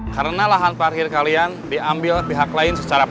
karena lahan parhir kalian diambil pihak lain secara p